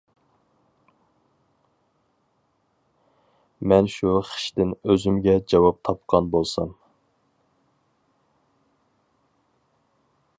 مەن شۇ خىشتىن ئۆزۈمگە جاۋاب تاپقان بولسام!